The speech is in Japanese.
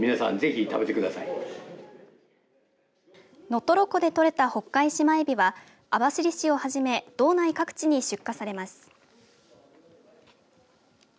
能取湖で取れたホッカイシマエビは網走市をはじめ道内各地に出荷されます。